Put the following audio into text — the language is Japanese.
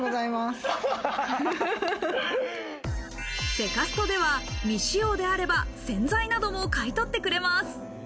セカストでは、未使用であれば、洗剤なども買い取ってくれます。